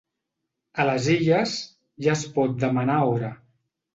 A les Illes, ja es pot demanar hora.